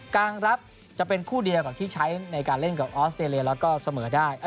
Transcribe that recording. การรับจะเป็นคู่เดียวกับที่ใช้ในการเล่นกับออสเตรเลียแล้วก็เสมอได้